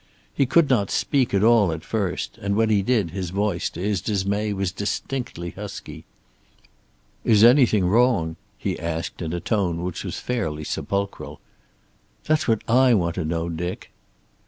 He could not speak at all at first, and when he did his voice, to his dismay, was distinctly husky. "Is anything wrong?" he asked, in a tone which was fairly sepulchral. "That's what I want to know, Dick."